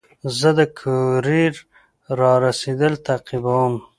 زه د کوریر رارسېدل تعقیبوم.